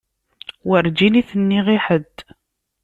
Werǧin i t-nniɣ i ḥedd.